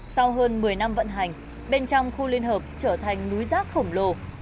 sau hơn một mươi năm vận hành bên trong khu liên hợp trở thành núi rác khổng lồ